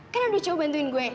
kan ada cowok bantuin gue